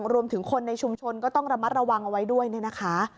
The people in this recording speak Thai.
รวมถึงคนในชุมชนก็ต้องระมัดระวังเอาไว้ด้วยเนี่ยนะคะ